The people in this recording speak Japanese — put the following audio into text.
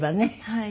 はい。